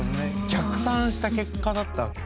逆算した結果だったんだ。